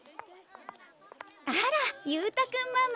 あら勇太君ママ。